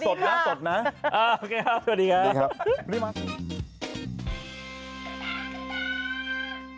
ตรงนี้มาใหม่